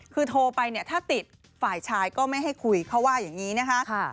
คือโทรไปเนี่ยถ้าติดฝ่ายชายก็ไม่ให้คุยเขาว่าอย่างนี้นะคะ